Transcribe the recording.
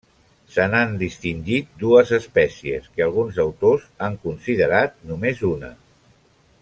Se n'han distingit dues espècies que alguns autors han considerat només una.